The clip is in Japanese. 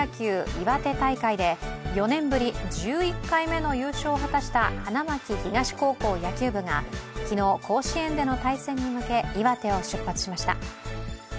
岩手大会で４年ぶり１１回目の優勝を果たした花巻東高校野球部が昨日、甲子園での対戦に向け岩手を出発しました。